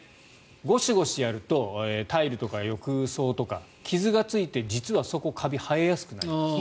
ごしごしやるとタイルとか浴槽とか傷がついて実は、そこカビが生えやすくなります。